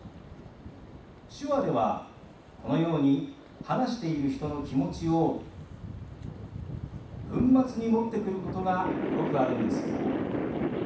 手話ではこのように話している人の気持ちを文末に持ってくることがよくあるんですよ。